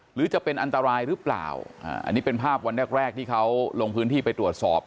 หรือจะเป็นอันตรายหรือเปล่าอ่าอันนี้เป็นภาพวันแรกแรกที่เขาลงพื้นที่ไปตรวจสอบ